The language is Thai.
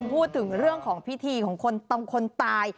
พูดถึงเรื่องของพิธีของคนตาย